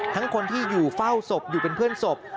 คนที่อยู่เฝ้าศพอยู่เป็นเพื่อนศพ